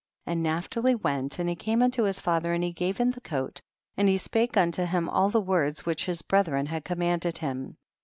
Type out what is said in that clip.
15. And Naphtali went and he came unto his father and he gave him the coat, and he spoke unto him all the words which his brethren had commanded him.